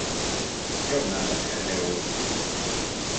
Jobb nem beszélni róluk.